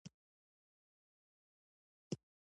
ځکه،